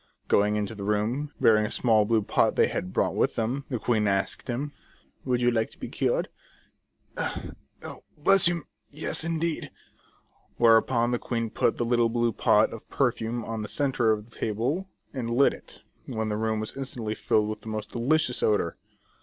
Going into the room, bearing a small blue pot they had brought with them, the queen asked him :" Would you like to be cured ?" 2 The Fairies of Caragonan. " Oh, bless you ; yes, indeed." Whereupon the queen put the little blue pot of perfume on the centre of the table, and lit it, when the room was instantly filled with the most delicious odour.